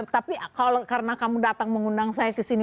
tapi karena kamu datang mengundang saya ke sini